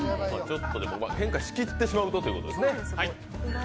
変化しきってしまうとということですね。